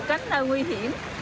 cánh nơi nguy hiểm